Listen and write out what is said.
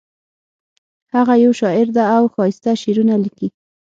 هغه یو شاعر ده او ښایسته شعرونه لیکي